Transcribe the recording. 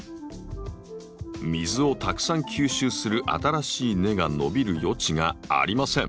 水をたくさん吸収する新しい根が伸びる余地がありません。